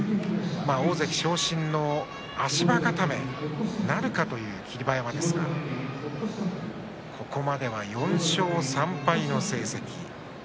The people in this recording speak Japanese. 大関昇進の足場固めになるかという霧馬山ですがここまでは４勝３敗の成績です。